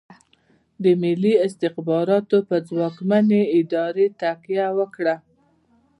د ملي استخباراتو پر ځواکمنې ادارې تکیه وکړه.